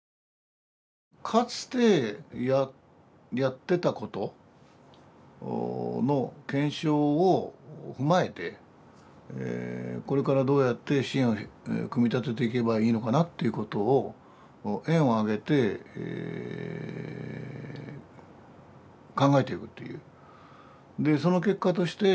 かつてやってたことの検証を踏まえてこれからどうやって支援を組み立てていけばいいのかなということを園を挙げて考えていくという。